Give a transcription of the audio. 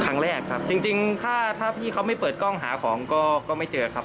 ครั้งแรกครับจริงถ้าถ้าพี่เขาไม่เปิดกล้องหาของก็ไม่เจอครับ